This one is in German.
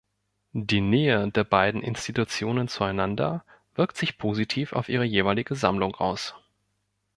Die Nähe der beiden Institutionen zueinander wirkt sich positiv auf ihre jeweilige Sammlung aus.